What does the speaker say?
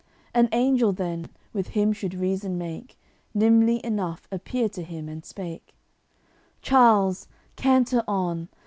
An angel then, with him should reason make, Nimbly enough appeared to him and spake: "Charles, canter on!